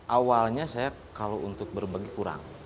awalnya saya kalau untuk berbagi kurang